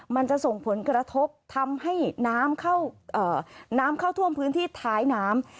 มันจะส่งผลกระทบทำให้น้ำเข้าท่วมพื้นที่ท้ายน้ำ